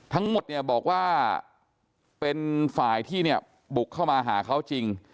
ทั้งหมดบอกว่าเป็นฝ่ายที่บุกเข้ามาหาเขาจริง